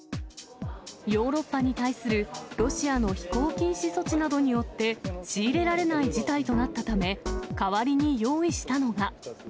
ヨーロッパに対するロシアの飛行禁止措置などによって、仕入れられない事態となったため、代わりに用意したのが。